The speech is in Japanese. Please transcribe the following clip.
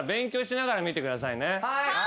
はい！